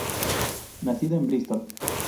Nació en Bristol.